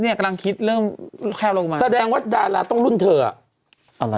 กำลังคิดเริ่มแคลลงมาแสดงว่าดาราต้องรุ่นเธออ่ะอะไร